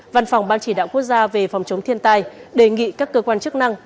văn phòng ban chỉ đạo quốc gia về phòng chống thiên tai đề nghị các cơ quan chức năng